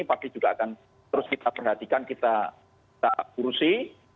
pasti juga akan terus kita perhatikan kita urusi